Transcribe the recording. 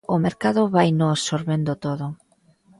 O mercado vaino absorbendo todo.